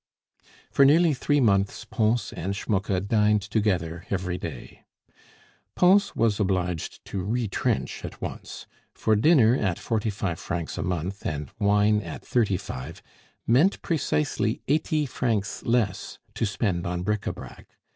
For nearly three months Pons and Schmucke dined together every day. Pons was obliged to retrench at once; for dinner at forty five francs a month and wine at thirty five meant precisely eighty francs less to spend on bric a brac.